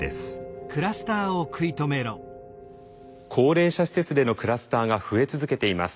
高齢者施設でのクラスターが増え続けています。